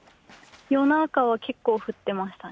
夜中は結構降ってましたね。